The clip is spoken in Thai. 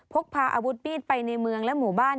พกพาอาวุธมีดไปในเมืองและหมู่บ้าน